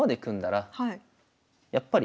やっぱり。